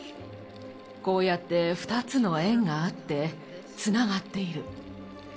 こうやって２つの円があってつながっている。